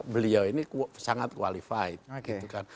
beliau ini sangat qualified